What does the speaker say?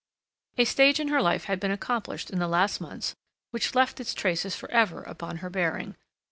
A stage in her life had been accomplished in the last months which left its traces for ever upon her bearing.